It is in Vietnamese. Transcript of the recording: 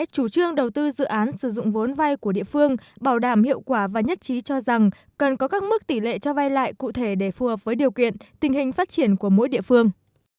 chủ trương đầu tư dự án sử dụng vốn vay của địa phương bảo đảm hiệu quả và nhất trí cho rằng cần có các mức tỷ lệ cho vay lại cụ thể để phù hợp với điều kiện tình hình phát triển của mỗi địa phương